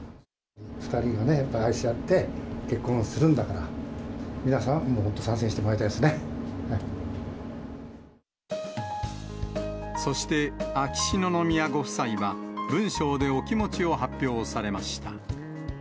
２人がね、愛し合って結婚するんだから、皆さん、本当、そして、秋篠宮ご夫妻は文章でお気持ちを発表されました。